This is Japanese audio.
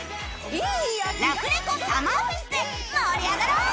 ラフレコサマーフェスで盛り上がろう！